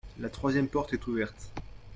La troisième porte est ouverte.